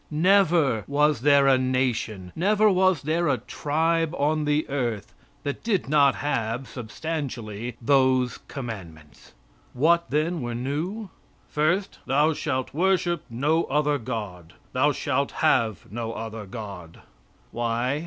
Never was there a nation, never was there a tribe on the earth that did not have substantially, those commandments. What, then, were new? First, "Thou shalt worship no other God; thou shalt have no other God." Why?